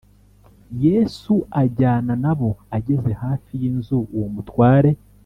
Yesu ajyana na bo ageze hafi y inzu uwo mutware